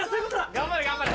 頑張れ頑張れ。